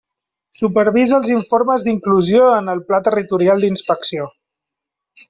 Supervisa els informes d'inclusió en el Pla territorial d'inspecció.